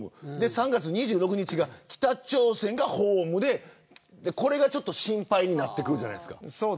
３月２６日が北朝鮮がホームでこれがちょっと心配になってくるじゃないですか。